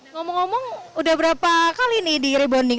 ngomong ngomong udah berapa kali nih di rebonding